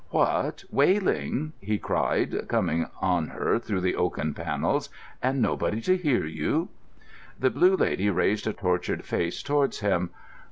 "What, wailing!" he cried, coming on her through the oaken panels, "and nobody to hear you?" The Blue Lady raised a tortured face towards him.